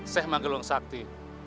seh magelung sakti